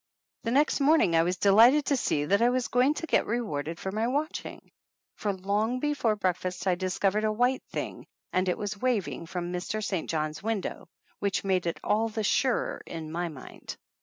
The next morning I was delighted to see that I was going to get rewarded for my watching, for long before breakfast I discovered a white thing, and it was waving from Mr. St. John's window, which made it all the surer in my mind.